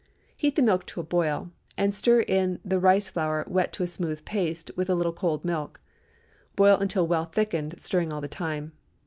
Heat the milk to a boil, and stir in the rice flour wet to a smooth paste with a little cold milk; boil until well thickened, stirring all the time.